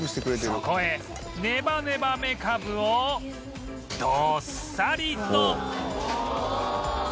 そこへネバネバめかぶをどっさりと！